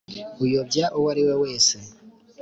uyobya uwo ari we wese